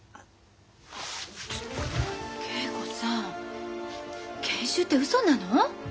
ちょっと恵子さん研修ってうそなの？